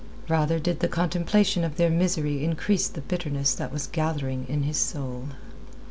Rather did the contemplation of their misery increase the bitterness that was gathering in his soul.